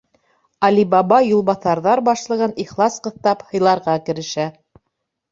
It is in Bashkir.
Али Баба юлбаҫарҙар башлығын ихлас ҡыҫтап һыйларға керешә.